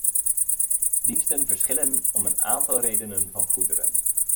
Diensten verschillen om een aantal redenen van goederen.